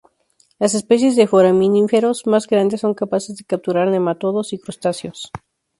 Las especies de foraminíferos más grandes son capaces de capturar nematodos y crustáceos.